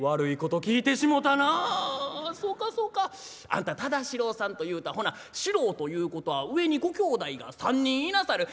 あんた忠四郎さんというたらほな四郎ということは上にご兄弟が３人いなさる？」。